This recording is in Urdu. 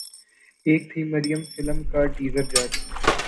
ایک تھی مریم فلم کا ٹیزر جاری